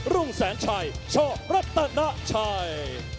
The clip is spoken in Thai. รุ่งแสนชัยช่อรัตนาชัย